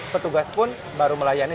petugas pun baru melayani